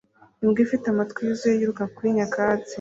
Imbwa ifite amatwi yuzuye yiruka kuri nyakatsi